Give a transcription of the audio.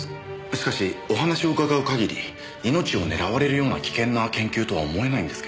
しかしお話を伺う限り命を狙われるような危険な研究とは思えないんですけど。